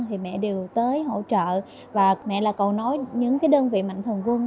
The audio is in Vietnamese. thì mẹ đều tới hỗ trợ và mẹ là cầu nối những cái đơn vị mạnh thường quân